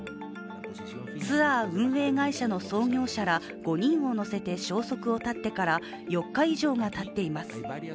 ツアー運営会社の創業者ら５人を乗せて消息を絶ってから４日以上がたっています。